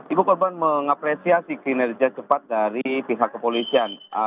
ibu korban mengapresiasi kinerja cepat dari pihak kepolisian